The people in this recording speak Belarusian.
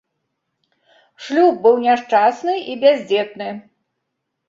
Шлюб быў няшчасны і бяздзетны.